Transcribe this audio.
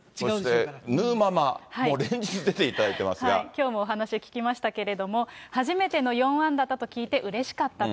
そしてヌーママも連日出ていきょうもお話聞きましたけれども、初めての４安打だと聞いて、うれしかったと。